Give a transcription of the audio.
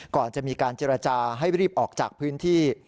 ก่อนจะมีการเจรจาให้รีบออกจากพื้นที่